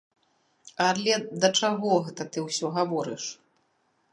Але да чаго гэта ты ўсё гаворыш?!